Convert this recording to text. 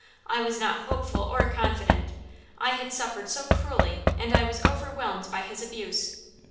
I was not hopeful or confident; I had suffered so cruelly and I was overwhelmed by his abuse."